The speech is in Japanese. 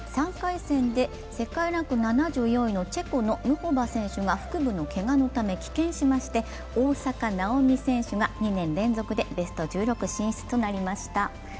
３回戦で世界ランク７４位のチェコのムホバ選手が腹部のけがのため棄権をしまして、大坂なおみ選手が２年連続でベスト１６進出となりました。